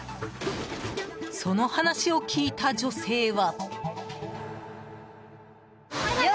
その話を聞いた女性は。